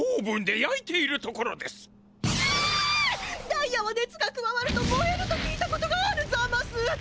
ダイヤはねつがくわわるともえると聞いたことがあるざます！